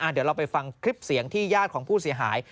เดี๋ยวเราไปฟังคลิปเสียงที่ญาติของผู้เสียหาย